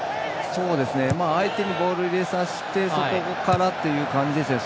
相手にボール入れさせてそこからというような感じですね